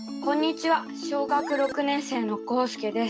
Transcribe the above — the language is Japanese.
小学６年生のこうすけです。